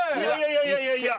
いやいやいやいや！